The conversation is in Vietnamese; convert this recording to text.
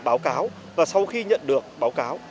báo cáo và sau khi nhận được báo cáo